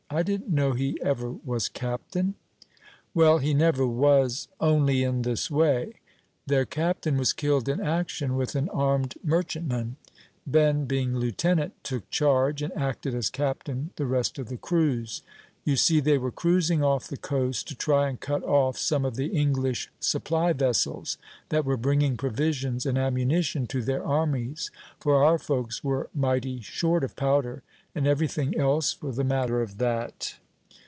I didn't know he ever was captain." "Well, he never was, only in this way. Their captain was killed in action with an armed merchantman; Ben, being lieutenant, took charge, and acted as captain the rest of the cruise. You see, they were cruising off the coast, to try and cut off some of the English supply vessels, that were bringing provisions and ammunition to their armies, for our folks were mighty short of powder, and everything else, for the matter of that.